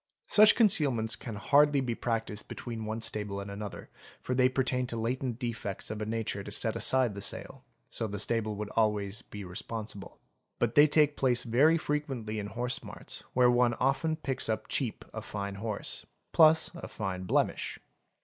Such concealments can hardly be practised between one stable and another, for they pertain to latent defects of a nature to set aside the sale, so the stable would be always responsible; but they take place very frequently in horse marts, where one often picks up cheap a fine horse— plus a fine blemish.